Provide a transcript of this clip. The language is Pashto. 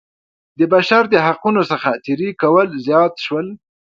د بشر د حقونو څخه تېری کول زیات شول.